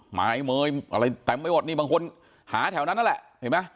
หมายเมยอะไรเต็มไปหมดนี่บางคนหาแถวนั้นนั่นแหละเห็นไหม